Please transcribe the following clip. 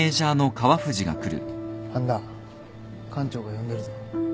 半田館長が呼んでるぞ。